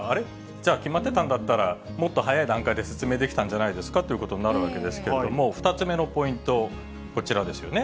じゃあ、決まってたんだったら、もっと早い段階で説明できたんじゃないですかということになるわけですけれども、２つ目のポイント、こちらですよね。